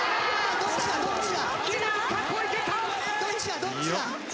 どっちだどっちだ？